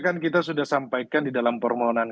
kan kita sudah sampaikan di dalam permohonan